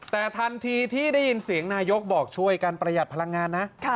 แต่ทันทีที่ได้ยินเสียงนายกบอกช่วยกันประหยัดพลังงานนะ